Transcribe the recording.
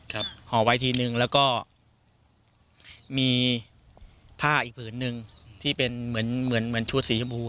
ครับห่อไว้ทีหนึ่งแล้วก็ผ้าอีกผืนหนึ่งที่เป็นเหมือนเหมือนเหมือนชุดสีชมพูครับ